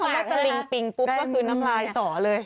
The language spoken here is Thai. เปรี้ยวเขามาตะลิงปลิงปุ๊บก็คือน้ำลายสอเลย